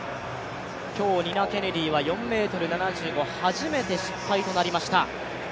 今日ニナ・ケネディは４ｍ７５、初めての失敗となりました。